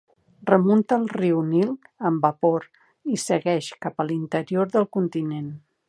Remunta el riu Nil en vapor i segueix cap a l'interior del continent.